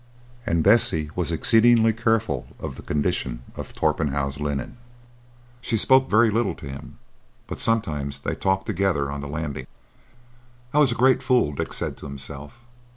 And Bessie was exceedingly careful of the condition of Torpenhow's linen. She spoke very little to him, but sometimes they talked together on the landing. "I was a great fool," Dick said to himself.